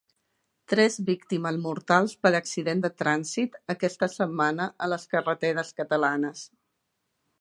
Tres víctimes mortals per accident de trànsit aquesta setmana a les carreteres catalanes.